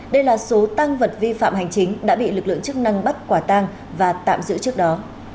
đây là số tăng vật vi phạm hành chính đã bị lực lượng chức năng bắt quả tang và tạm giữ trước đó